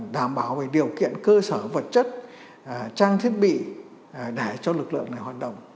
đảm bảo về điều kiện cơ sở vật chất trang thiết bị để cho lực lượng này hoạt động